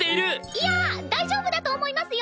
いや大丈夫だと思いますよ